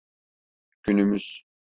Günümüz.